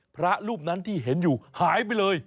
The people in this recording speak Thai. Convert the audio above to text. พระรูปนั้นที่เห็นอยู่หายไปเลย